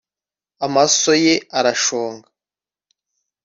Amaso ye arashonga